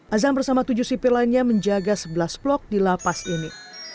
azan bersama tujuh sipil lainnya menjaga sebelas blok di lapas ini